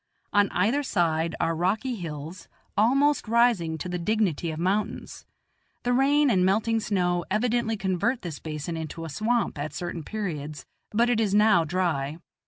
On either side are rocky hills, almost rising to the dignity of mountains; the rain and melting snow evidently convert this basin into a swamp at certain periods, but it is now dry.